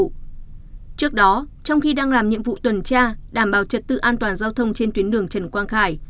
trước đó trong khi đang làm nhiệm vụ tuần tra đảm bảo trật tự an toàn giao thông trên tuyến đường trần quang khải